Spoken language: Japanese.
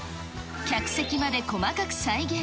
客席まで細かく再現。